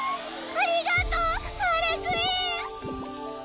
ありがとうハーレクイン。